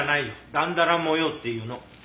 だんだら模様って言うの。